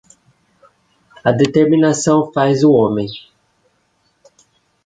A determinação faz o homen.